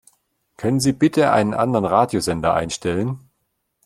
Können Sie bitte einen anderen Radiosender einstellen?